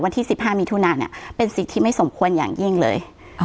วันที่๑๕มิถุนาเนี่ยเป็นสิ่งที่ไม่สมควรอย่างยิ่งเลย